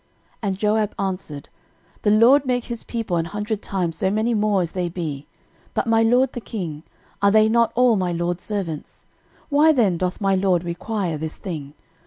13:021:003 And Joab answered, The LORD make his people an hundred times so many more as they be: but, my lord the king, are they not all my lord's servants? why then doth my lord require this thing?